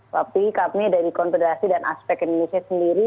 tapi kami dari konfederasi dan aspek indonesia sendiri